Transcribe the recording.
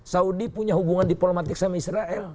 saudi punya hubungan diplomatik sama israel